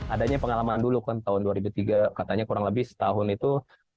adanya pengalaman dulu kan tahun dua ribu tiga katanya kurang lebih setahun itu